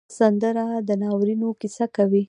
سندره د ناورینونو کیسه کوي